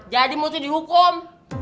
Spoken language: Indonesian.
jadi mesti dihukum